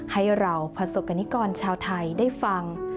ให้เหล่าภาษกนิกรชาวไทยได้ฟัง